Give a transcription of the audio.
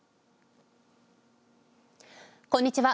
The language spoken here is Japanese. こんにちは。